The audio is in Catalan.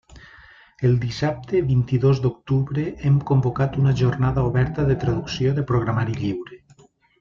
El dissabte vint-i-dos d'octubre hem convocat una Jornada oberta de traducció de programari lliure.